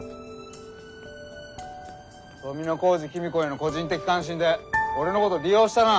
富小路公子への個人的関心で俺のこと利用したな。